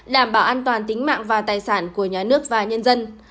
đảm bảo an toàn tính mạng và tài sản của nhà nước và nhân dân